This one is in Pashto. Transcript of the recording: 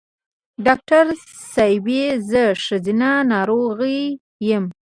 ډاکټر صېبې زه ښځېنه ناروغی یم